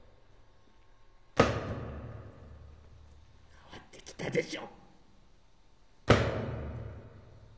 かわってきたでしょ。